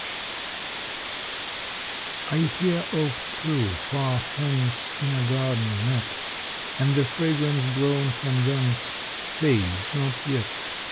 XXI I hear of two far hence In a garden met, And the fragrance blown from thence Fades not yet.